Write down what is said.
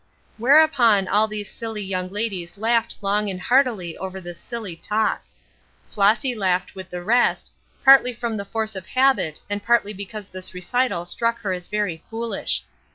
Whereupon all these silly young ladies laughed long and heartily over this silly talk. Flossy laughed with the rest, partly from the force of habit and partly because this recital struck her as very foolish.